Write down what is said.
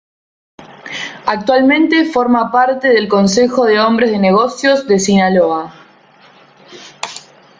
Actualmente forma parte del Consejo de Hombres de Negocios de Sinaloa.